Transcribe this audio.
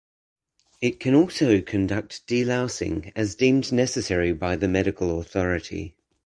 It can also conduct delousing as deemed necessary by the medical authority.